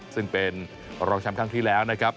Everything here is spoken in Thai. ซึ่งเป็นรองแชมป์ครั้งที่แล้วนะครับ